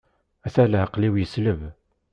Ata leɛqel-iw yesleb.